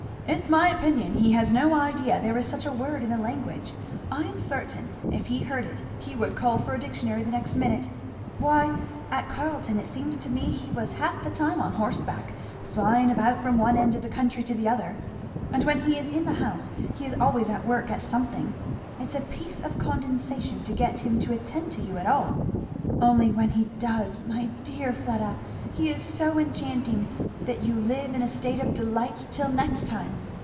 it's my opinion he has no idea there is such a word in the language, I am certain if he heard it he would call for a dictionary the next minute. Why at Carleton it seems to me he was half the time on horseback, flying about from one end of the country to the other; and when he is in the house he is always at work at something; it's a piece of condescension to get him to attend to you at all; only when he does, my dear Fleda! he is so enchanting that you live in a state of delight till next time.